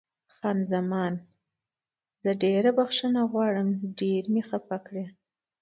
خان زمان: زه ډېره بښنه غواړم، ډېر مې خفه کړې.